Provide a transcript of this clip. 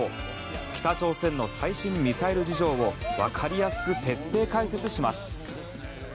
北朝鮮の最新ミサイル事情をわかりやすく徹底解説します。